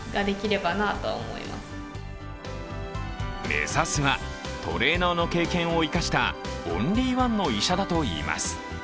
目指すはトレーナーの経験を生かしたオンリーワンの医者だといいます。